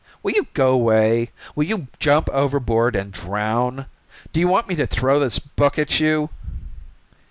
Will you go 'way! Will you jump overboard and drown! Do you want me to throw this book at you!"